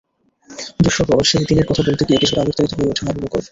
দুঃসহ সেই দিনের কথা বলতে গিয়ে কিছুটা আবেগতাড়িত হয়ে ওঠেন আবু বকর।